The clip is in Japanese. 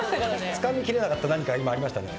つかみ切れなかった何か今ありましたね。